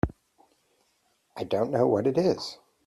I don't know what it is.